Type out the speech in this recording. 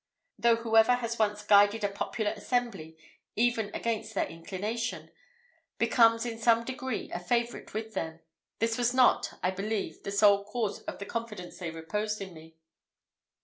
Though whoever has once guided a popular assembly even against their inclination, becomes in some degree a favourite with them, this was not, I believe, the sole cause of the confidence they reposed in me.